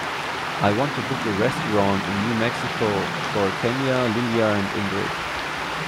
I want to book a restaurant in New Mexico for kenya, lilia and ingrid.